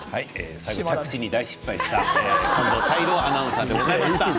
最後、大失敗した泰郎アナウンサーでした。